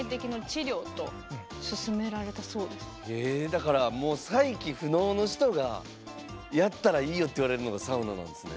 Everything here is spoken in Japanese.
だからもう再起不能の人がやったらいいよって言われるのがサウナなんすね。